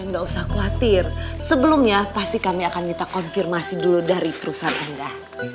dan gak usah khawatir sebelumnya pasti kami akan minta konfirmasi dulu dari perusahaan anda